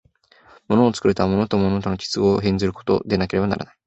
物を作るとは、物と物との結合を変ずることでなければならない。